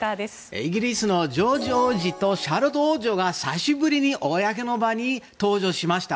イギリスのジョージ王子とシャーロット王女が久しぶりに公の場に登場しました。